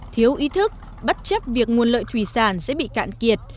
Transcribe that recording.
thiếu ý thức bất chấp việc nguồn lợi thủy sản sẽ bị cạn kiệt